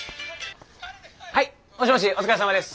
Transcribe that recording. はいもしもしお疲れさまです。